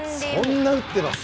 そんなに打ってます？